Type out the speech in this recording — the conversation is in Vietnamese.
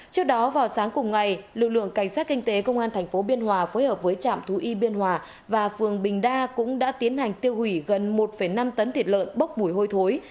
trước đó vào sáng cùng ngày lực lượng cảnh sát kinh tế công an tp biên hòa phối hợp với trạm thú y biên hòa và phường bình đa cũng đã tiến hành tiêu hủy gần một năm tấn thịt lợn bốc mùi hôi thối